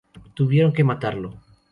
Tuvieron que matarlo.